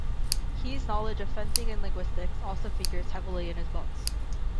Keyes' knowledge of fencing and linguistics also figures heavily in his books.